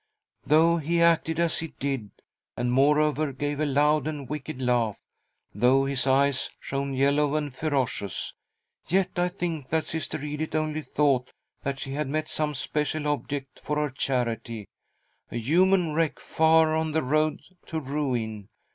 " Though he acted as he did, and, moreover, gave a loud and wicked laugh ; though his eyes shone yellow and ferocious ; yet I think that Sister Edith only thought that she had met some special object for her charity, a human wreck far on the road to ruin.